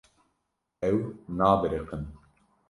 Ew nabiriqin.